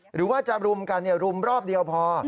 หรือว่าจะรุมกันรุมรอบเดียวพอ